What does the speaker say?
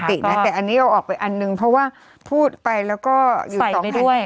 แต่อันนี้เอาออกไปอันนึงเพราะว่าพูดไปแล้วก็อยู่สองถ้วย